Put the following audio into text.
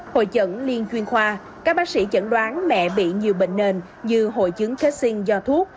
hội chẩn liên chuyên khoa các bác sĩ chẩn đoán mẹ bị nhiều bệnh nền như hội chứng kết sinh do thuốc